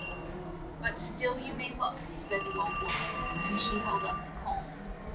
"But still you may look," said the old wom an, and she held up the comb.